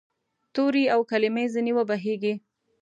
تورې او کلمې ځیني وبهیږې